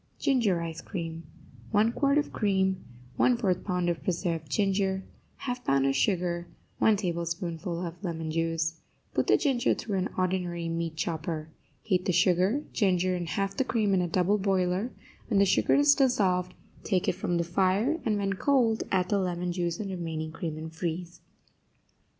GINGER ICE CREAM 1 quart of cream 1/4 pound of preserved ginger 1/2 pound of sugar 1 tablespoonful of lemon juice Put the ginger through an ordinary meat chopper. Heat the sugar, ginger and half the cream in a double boiler; when the sugar is dissolved, take it from the fire, and, when cold, add the lemon juice and remaining cream, and freeze.